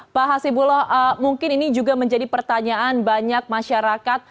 pak hasibuloh mungkin ini juga menjadi pertanyaan banyak masyarakat